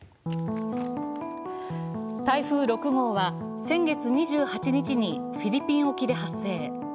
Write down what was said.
台風６号は先月２８日にフィリピン沖で発生。